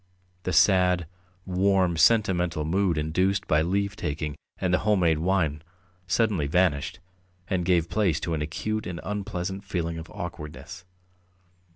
The sad, warm, sentimental mood induced by leave taking and the home made wine suddenly vanished, and gave place to an acute and unpleasant feeling of awkwardness.